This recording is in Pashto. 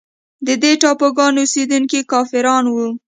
د دې ټاپوګانو اوسېدونکي کافران وه.